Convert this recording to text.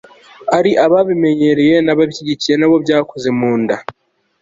ari ababibemereye banabishyigikiye, n'abo byakoze mu nda